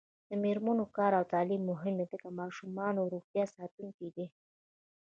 د میرمنو کار او تعلیم مهم دی ځکه چې ماشومانو روغتیا ساتونکی دی.